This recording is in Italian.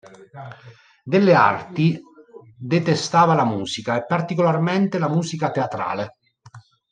Delle arti, detestava la musica, e particolarmente la musica teatrale.